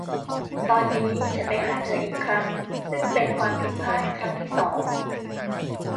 ตอนนี้ฉันไปหาเธออีกครั้งซึ่งเป็นความผิดพลาดครั้งที่สอง